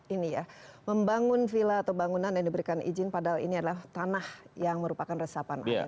ini ya membangun villa atau bangunan yang diberikan izin padahal ini adalah tanah yang merupakan resapan air